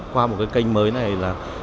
qua một cái kênh mới này là